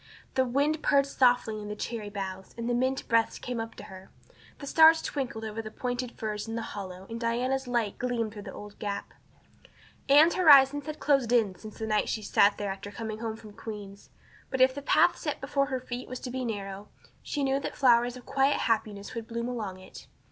The wind purred softly in the cherry boughs, and the mint breaths came up to her. The stars twinkled over the pointed firs in the hollow and Diana's light gleamed through the old gap. Anne's horizons had closed in since the night she had sat there after coming home from Queen's; but if the path set before her feet was to be narrow she knew that flowers of quiet happiness would bloom along it.